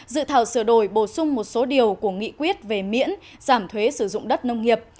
dự thảo sửa đổi bổ sung một số điều của nghị quyết về miễn giảm thuế sử dụng đất nông nghiệp